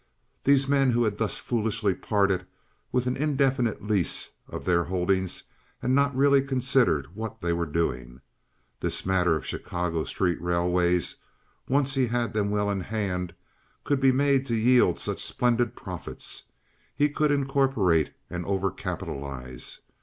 These men who had thus foolishly parted with an indefinite lease of their holdings had not really considered what they were doing. This matter of Chicago street railways, once he had them well in hand, could be made to yield such splendid profits! He could incorporate and overcapitalize.